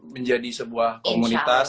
menjadi sebuah komunitas